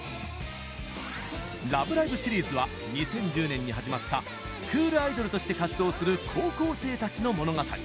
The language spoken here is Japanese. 「ラブライブ！」シリーズは２０１０年に始まったスクールアイドルとして活動する高校生たちの物語。